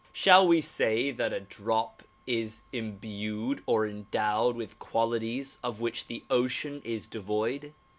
Shall we say that a drop is imbued or endowed with qualities of which the ocean is devoid?